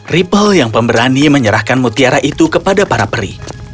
ripel yang pemberani menyerahkan mutiara itu kepada para peri